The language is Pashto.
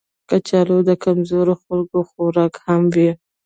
کچالو د کمزورو خلکو خوراک هم وي